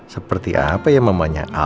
seperti apa ya mamanya al